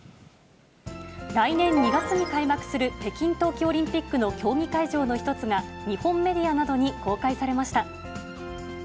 来年２月に開幕する北京冬季オリンピックの競技会場の一つが、日本メディアなどに公開されました。